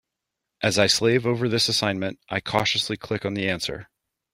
As I slave over this assignment, I cautiously click on the answer !